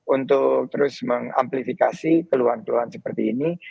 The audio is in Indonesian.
untuk terus mengamplifikasi keluhan keluhan seperti ini